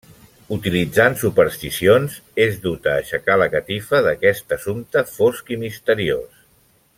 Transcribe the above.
Utilitzant supersticions, és duta a aixecar la catifa d’aquest assumpte fosc i misteriós.